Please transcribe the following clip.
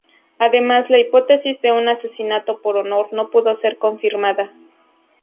Además, la hipótesis de un asesinato por honor no pudo ser confirmada.